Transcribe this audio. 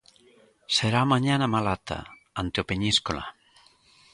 Será mañá na Malata, ante o Peñíscola.